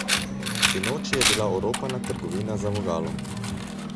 Sinoči je bila oropana trgovina za vogalom.